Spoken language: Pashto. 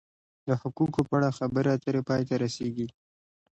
د حقوقو په اړه خبرې اترې پای ته رسیږي.